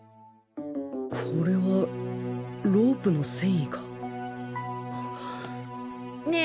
これはロープの繊維かねえ